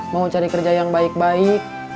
mau cari kerja yang baik baik